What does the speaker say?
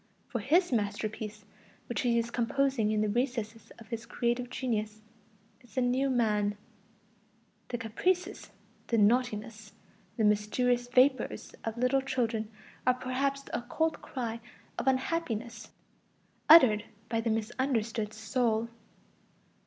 For his masterpiece, which he is composing in the recesses of his creative genius, is the new man. The "caprices," the "naughtinesses," the "mysterious vapors" of little children are perhaps the occult cry of unhappiness uttered by the misunderstood soul.